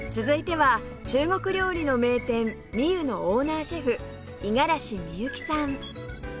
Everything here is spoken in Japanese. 続いては中国料理の名店「美虎」のオーナーシェフ五十嵐美幸さん